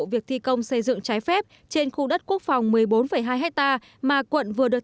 việc thi công xây dựng trái phép trên khu đất quốc phòng một mươi bốn hai hectare mà quận vừa được